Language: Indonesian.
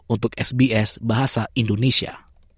untuk sbs bahasa indonesia